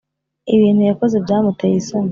ibintu yakoze byamuteye isoni